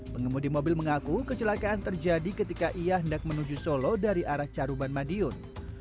pengemudi mobil mengaku kecelakaan terjadi ketika ia hendak menuju solo dari arah caruban madiun